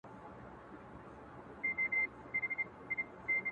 يې پټ په لاس نوکاره کړ او ويې ويل~